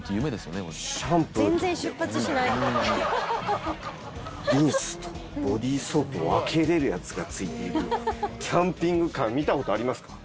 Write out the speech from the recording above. シャンプーとリンスとボディソープを分けれるやつが付いているキャンピングカー見た事ありますか？